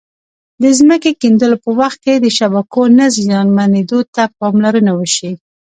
د ځمکې کیندلو په وخت کې د شبکو نه زیانمنېدو ته پاملرنه وشي.